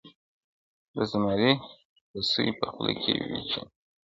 د زمري به سوې په خوله کي وچي ناړي -